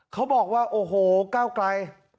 เขาบอกว่าโอ้โหก้าวไกล